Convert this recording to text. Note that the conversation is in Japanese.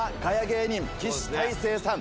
芸人岸大誠さん。